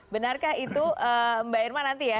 benarkah itu mbak irma nanti ya